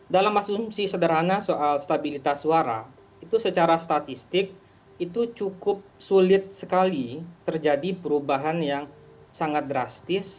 dalam asumsi sederhana soal stabilitas suara itu secara statistik itu cukup sulit sekali terjadi perubahan yang sangat drastis